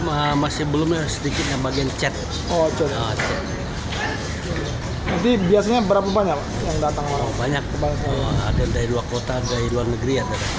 banyak ada dari dua kota ada dari dua negeri